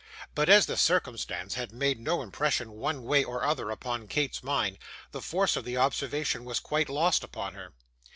But as the circumstance had made no impression one way or other upon Kate's mind, the force of the observation was quite lost upon her.